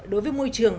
đối với môi trường